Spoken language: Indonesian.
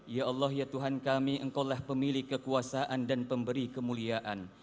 ya allah ya tuhan kami engkau lah pemilih kekuasaan dan pemberi kemuliaan